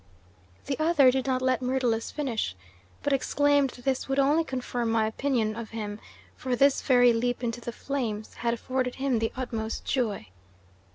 "The other did not let Myrtilus finish, but exclaimed that this would only confirm my opinion of him, for this very leap into the flames had afforded him the utmost joy.